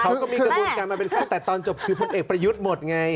เขาก็มีกระบวนการมาเป็นขั้นแต่ตอนจบคือพลเอกประยุทธ์หมดไง